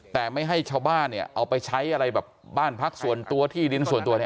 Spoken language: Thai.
แต่ไม่ให้ชาวบ้านเนี่ยเอาไปใช้อะไรแบบบ้านพักส่วนตัวที่ดินส่วนตัวเนี่ย